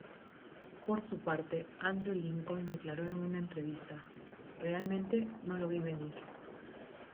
Por su parte, Andrew Lincoln, declaró en una entrevista: ""Realmente no lo vi venir.